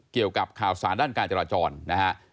เกี่ยวกับข่าวสารด้านการจราจรนะฮะ